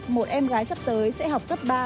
một em gái sắp tới sẽ học cấp ba